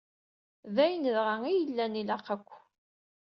D ayen dɣa i yellan ilaq-ak.